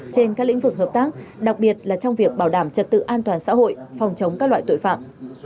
trên các lĩnh vực hợp tác đặc biệt là trong việc bảo đảm trật tự an toàn xã hội phòng chống các loại tội phạm